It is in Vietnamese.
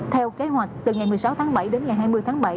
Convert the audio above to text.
theo kế hoạch từ ngày một mươi sáu tháng bảy đến ngày hai mươi tháng bảy